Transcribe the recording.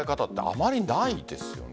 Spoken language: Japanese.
あまりないですよね。